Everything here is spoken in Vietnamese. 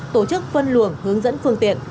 tổ chức phân luồng hướng dẫn phương tiện